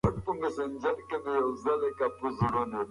د ستونزو حل لارې پیدا کول د کورنۍ د پلار کار دی.